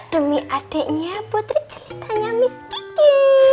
demi adeknya putri celitanya miss kiki